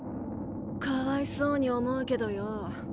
かわいそうに思うけどよぉ。